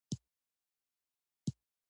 شیخ د ژړا او فریاد د علت پوښتنه وکړه.